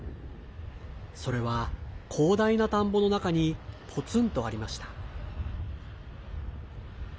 それは、広大な田んぼの中にぽつんとありました。